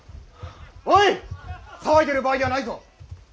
おい騒いでる場合ではないぞ。